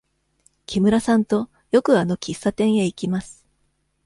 木村さんとよくあの喫茶店へ行きます。